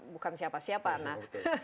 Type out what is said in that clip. bukan siapa siapa anak